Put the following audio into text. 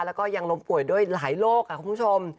แล้วก็ยังล้มป่วยด้วยหลายโรคค่ะคุณผู้ชม